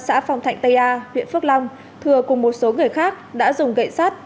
xã phong thạnh tây a huyện phước long thừa cùng một số người khác đã dùng gậy sắt